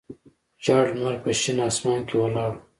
زیړ لمر په شین اسمان کې ولاړ و.